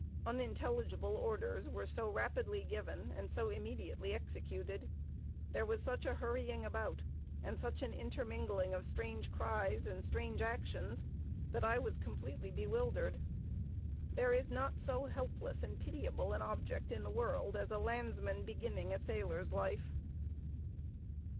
Unintelligible orders were so rapidly given and so immediately executed; there was such a hurrying about, and such an intermingling of strange cries and strange actions, that I was completely bewildered. There is not so helpless and pitiable an object in the world as a landsman beginning a sailor's life.